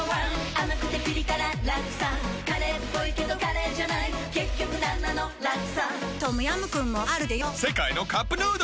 甘くてピリ辛ラクサカレーっぽいけどカレーじゃない結局なんなのラクサトムヤムクンもあるでヨ世界のカップヌードル